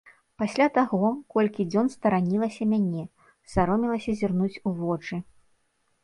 Пасля таго колькі дзён старанілася мяне, саромелася зірнуць у вочы.